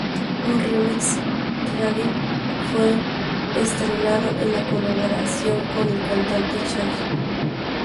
Un "remix" reggae fue estrenado en colaboración con el cantante Shaggy.